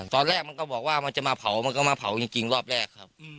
ตอนแรกมันก็บอกว่ามันจะมาเผามันก็มาเผาจริงรอบแรกครับ